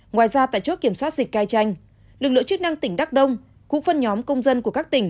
ngoài ra tại chốt kiểm soát dịch cai chanh lực lượng chức năng tỉnh đắk đông cũng phân nhóm công dân của các tỉnh